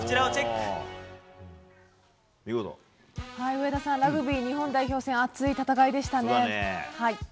上田さん、ラグビー日本代表戦熱い戦いでしたね。